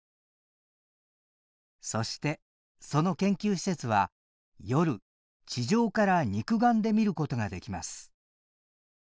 そしてその研究施設は夜地上から肉眼で見ることができます。